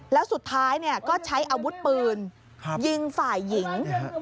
แล้วสุดท้ายก็ใช้อาวุธปืนยิงฝ่ายหญิง